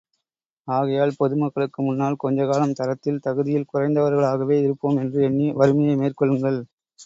ஆகையால், பொது மக்களுக்கு முன்னால் கொஞ்சக் காலம் தரத்தில் தகுதியில் குறைந்தவர்களாகவே இருப்போம் என்று எண்ணி வறுமையை மேற்கொள்ளுங்கள்.